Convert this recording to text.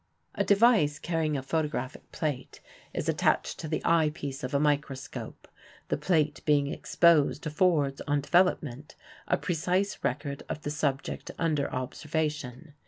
A device carrying a photographic plate is attached to the eye piece of a microscope; the plate being exposed affords, on development, a precise record of the subject under observation.